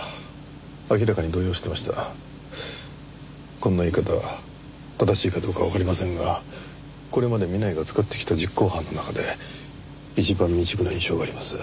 こんな言い方正しいかどうかわかりませんがこれまで南井が使ってきた実行犯の中で一番未熟な印象があります。